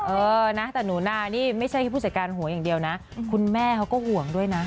เออนะแต่หนูนานี่ไม่ใช่แค่ผู้จัดการหัวอย่างเดียวนะคุณแม่เขาก็ห่วงด้วยนะ